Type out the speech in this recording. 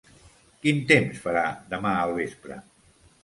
Quin temps farà demà al vespre?